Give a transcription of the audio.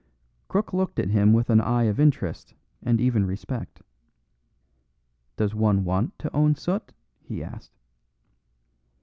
Crook looked at him with an eye of interest and even respect. "Does one want to own soot?" he asked.